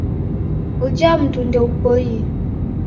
Uja mundu ndeupoie